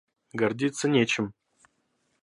Гордиться нечем.